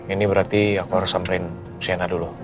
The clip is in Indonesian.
ini berarti aku harus samperin sienna dulu